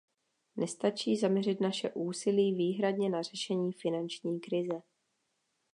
Nestačí zaměřit naše úsilí výhradně na řešení finanční krize.